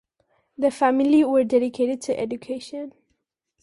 The family were dedicated to education.